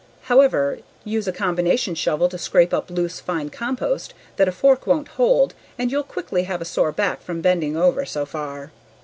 However, use a combination shovel to scrape up loose, fine compost that a fork won't hold and you'll quickly have a sore back from bending over so far.